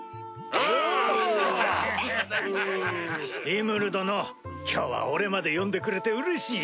リムル殿今日は俺まで呼んでくれてうれしいよ。